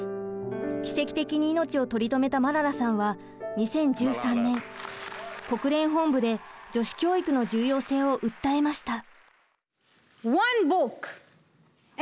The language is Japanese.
奇跡的に命を取り留めたマララさんは２０１３年国連本部で女子教育の重要性を訴えました。